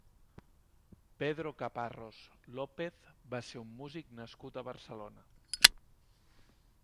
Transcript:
Pedro Caparros López va ser un músic nascut a Barcelona.